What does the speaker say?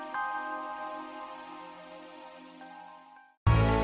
mba linda perhatikan dengan baik